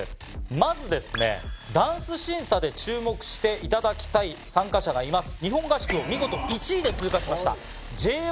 まずダンス審査で注目していただきたい参加者がいます。